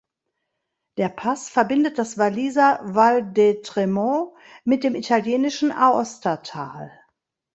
Der Pass verbindet das Walliser Val d’Entremont mit dem italienischen Aostatal.